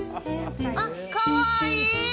あっ、かわいい。